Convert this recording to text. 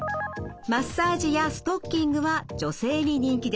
マッサージやストッキングは女性に人気です。